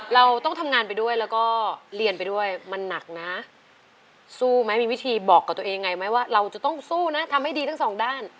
เราต้องทำงานไปด้วยแล้วก็เรียนไปด้วยมันหนักนะสู้ไหมมีวิธีบอกกับตัวเองไงไหมว่าเราจะต้องสู้นะทำให้ดีทั้งสองด้าน